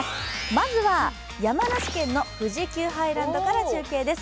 まずは山梨県の富士急ハイランドから中継です。